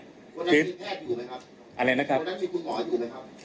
คนนั้นมีแพทย์อยู่ไหมครับคนนั้นมีคุณหมออยู่ไหมครับ